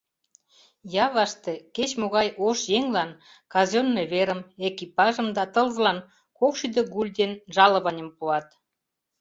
Яваште кеч-могай ош еҥлан казённый верым, экипажым да тылзылан кокшӱдӧ гульден жалованьым пуат...